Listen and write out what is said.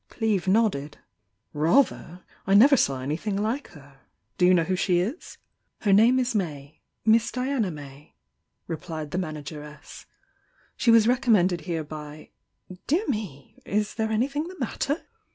Cleeve nodded. "Rather! I never saw anything like her. Do you know who she is?" "Her name is May,— Miss Diana May," replied the manageress. "She was recommended here by, — dear me! Is there anything the matter?"